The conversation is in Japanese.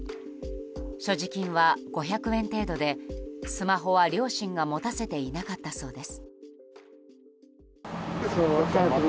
所持金は５００円程度でスマホは両親が持たせていなかったそうです。